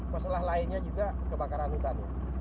masalah lainnya juga kebakaran hutan